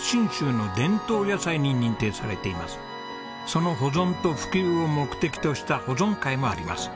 その保存と普及を目的とした保存会もあります。